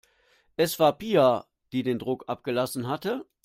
Es war Pia, die den Druck abgelassen hatte.